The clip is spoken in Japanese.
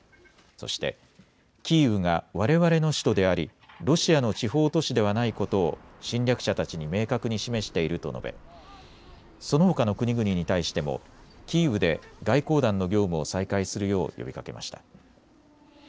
そして、キーウがわれわれの首都でありロシアの地方都市ではないことを侵略者たちに明確に示していると述べ、そのほかの国々に対してもキーウで外交団の業務を再開するよう呼びかけました。